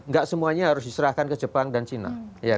gak semuanya harus diserahkan ke jepang dan cina